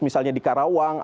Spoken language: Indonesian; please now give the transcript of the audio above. agar sangat degradasi waktu kan